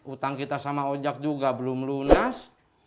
utang kita sama ojek juga belum lunas